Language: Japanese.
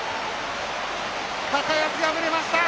高安、敗れました。